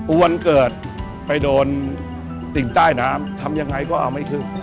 วันเกิดไปโดนสิ่งใต้น้ำทำยังไงก็เอาไม่ขึ้น